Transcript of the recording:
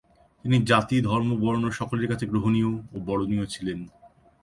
তিনি জাতি-ধর্ম-বর্ণ সকলের কাছে গ্রহণীয় ও বরণীয় ছিলেন।